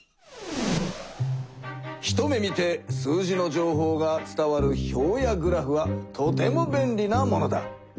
一目見て数字の情報が伝わる表やグラフはとてもべんりなものだ。